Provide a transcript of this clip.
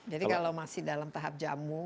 jadi kalau masih dalam tahap jamu